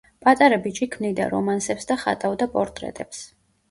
პატარა ბიჭი ქმნიდა რომანსებს და ხატავდა პორტრეტებს.